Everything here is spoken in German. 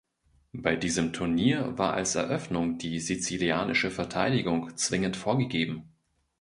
Bei diesem Turnier war als Eröffnung die Sizilianische Verteidigung zwingend vorgegeben.